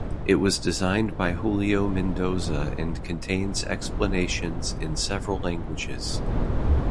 It was designed by Julio Mendoza and contains explanations in several languages.